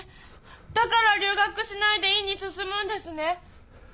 だから留学しないで院に進むんですね！？